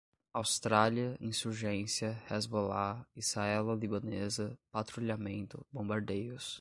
Austrália, insurgência, Hezbollah, israelo-libanesa, patrulhamento, bombardeios